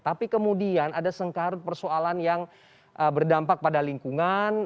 tapi kemudian ada sengkarut persoalan yang berdampak pada lingkungan